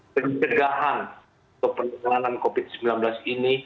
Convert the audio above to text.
pencegahan kepenanganan covid sembilan belas ini